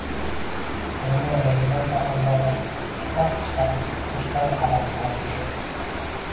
bilinar-bilinmas ohanrabo sas chiqarib toshlararo g‘oyib bo‘ldi.